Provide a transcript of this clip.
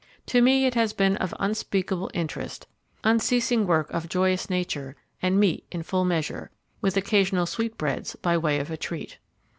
To me it has been of unspeakable interest, unceasing work of joyous nature, and meat in full measure, with occasional sweetbreads by way of a treat.